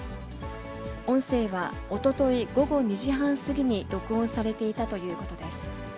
音声はおととい午後２時半過ぎに録音されていたということです。